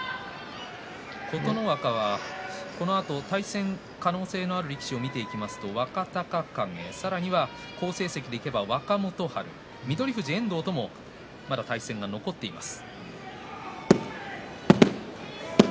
琴ノ若は、このあと対戦の可能性のある力士を見ていきますと若隆景さらには好成績でいえば若元春翠富士、遠藤ともまだ対戦が残っています。